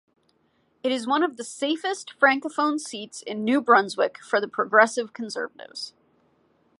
It is one the safest francophone seats in New Brunswick for the Progressive Conservatives.